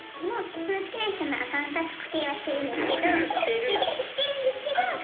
もうその好きな人のアカウントは「特定」はしてるんですけど。